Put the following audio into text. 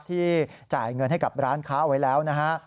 ที่จ่ายเงินให้กับร้านค้าเอาไว้แล้วนะฮะ